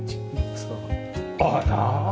あら？